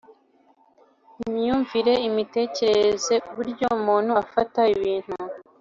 imyumvire: imitekerereze, uburyo umuntu afata ibintu